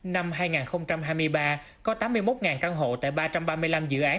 năm hai nghìn hai mươi ba có tám mươi một căn hộ tại ba trăm ba mươi năm dự án